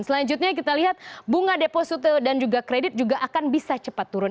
selanjutnya kita lihat bunga deposito dan juga kredit juga akan bisa cepat turun